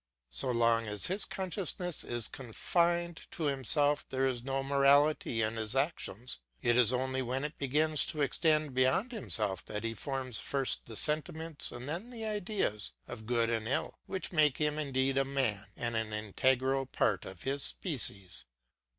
So long as his consciousness is confined to himself there is no morality in his actions; it is only when it begins to extend beyond himself that he forms first the sentiments and then the ideas of good and ill, which make him indeed a man, and an integral part of his species.